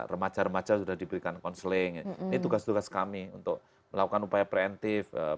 remaja remaja sudah diberikan counseling ini tugas tugas kami untuk melakukan upaya preventif